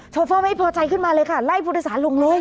โฟไม่พอใจขึ้นมาเลยค่ะไล่ผู้โดยสารลงเลย